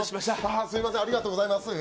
すみません、ありがとうございます。